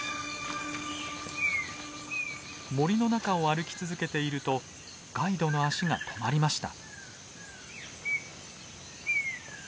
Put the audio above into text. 森の中を歩き続けているとガイドの足が止まりました。